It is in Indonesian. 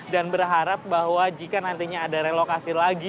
berharap bahwa jika nantinya ada relokasi lagi